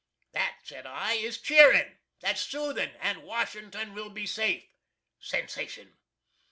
] That, said I, is cheering. That's soothing. And Washington will be safe. [Sensation.